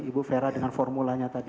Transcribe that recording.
ibu vera dengan formulanya tadi